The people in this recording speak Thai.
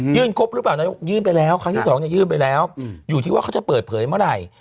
ครบหรือเปล่านายกยื่นไปแล้วครั้งที่สองเนี่ยยื่นไปแล้วอยู่ที่ว่าเขาจะเปิดเผยเมื่อไหร่